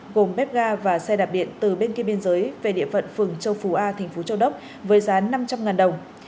gồm bếp ga và xe đạp điện từ bên kia biên giới về địa phận phường châu phú a thành phố châu đốc với giá năm trăm linh đồng